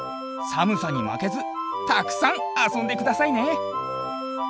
さむさにまけずたくさんあそんでくださいね。